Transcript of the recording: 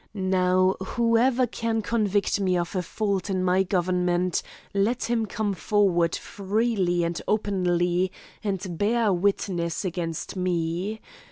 Now, whoever can convict me of a fault in my government, let him come forward freely and openly and bear witness against me.